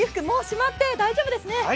もうしまって大丈夫ですね。